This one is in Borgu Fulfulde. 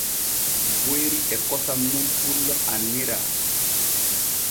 Boyri e kosam nun pullo anniara.